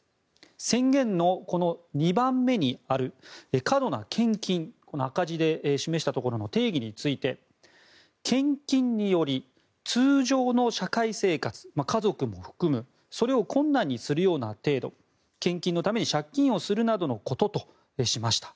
宣言の２番目にある過度な献金赤字で示したところの定義について献金により通常の社会生活家族も含むそれを困難にするような程度献金のために借金をするようなこととしました。